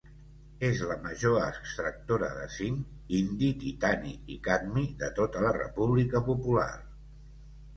És la major extractora de cinc, indi, titani i cadmi de tota la República Popular.